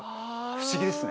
不思議ですね。